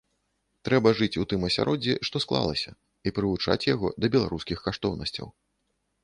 Трэба жыць у тым асяроддзі, што склалася, і прывучаць яго да беларускіх каштоўнасцяў.